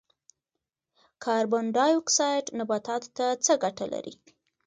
کاربن ډای اکسایډ نباتاتو ته څه ګټه لري؟